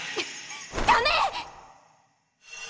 ダメ！